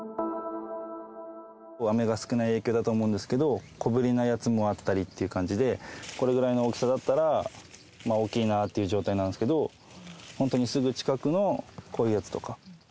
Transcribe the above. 雨が少ない影響だと思うんですけど、小ぶりなやつもあったりっていう感じで、これぐらいの大きさだったら、大きいなっていう状態なんですけど、本当にすぐ近くのこういうやつとか。